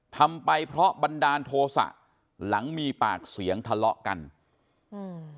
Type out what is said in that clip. ทำไปเพราะบันดาลโทษะหลังมีปากเสียงทะเลาะกันอืม